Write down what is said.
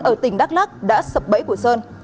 ở tỉnh đắk lắc đã sập bẫy của sơn